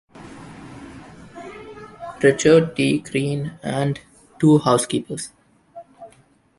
Richard T. Crean, and two housekeepers.